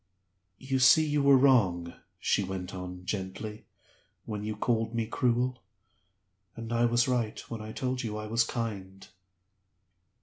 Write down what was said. "You see you were wrong," she went on, gently, "when you called me cruel and I was right when I told you I was kind."